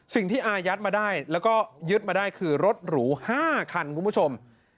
อายัดมาได้แล้วก็ยึดมาได้คือรถหรู๕คันคุณผู้ชม